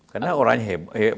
karena orangnya hebat